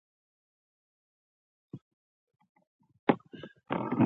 ډګروال خپله پوزه پاکه کړه او په ځواب کې یې وویل